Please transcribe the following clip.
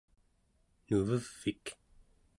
nuvevik